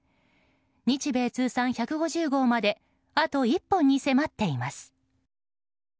日米通算１５０号まであと１本に迫っています。